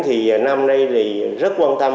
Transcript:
thì năm nay thì rất quan tâm